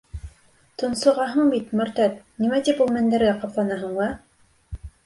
— Тонсоғаһың бит, мөртәт, нимә тип ул мендәргә ҡапланаһың һуң, ә?